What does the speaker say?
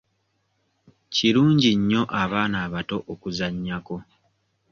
Kirungi nnyo abaana abato okuzannyako.